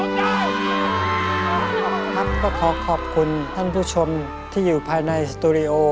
ครับก็ขอขอบคุณท่านผู้ชมที่อยู่ภายในสตูดิโอ